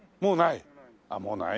もうない？